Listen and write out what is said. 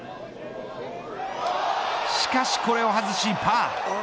しかしこれを外しパー。